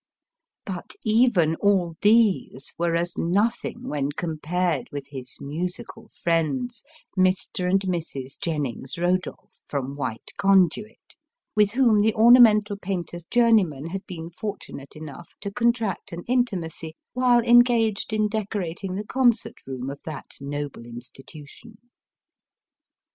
But even all these were as nothing when compared with his musical friends, Mr. and Mrs. Jennings Kodolph, from White Conduit, with whom the ornamental painter's journeyman had been fortunate enough to con tract an intimacy while engaged in decorating the concert room of that noble institution.